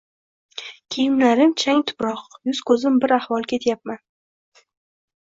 Kiyimlarim chang-tuproq, yuz-koʻzim bir ahvol ketyapman.